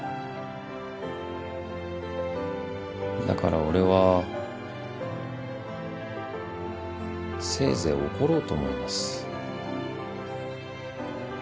だから俺はせいぜい怒ろうと思います。